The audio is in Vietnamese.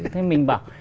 thế mình bảo